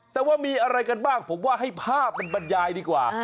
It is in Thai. แต่ว่ามีอะไรกันบ้างผมว่าให้ภาพมันบรรยายดีกว่า